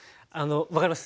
分かります。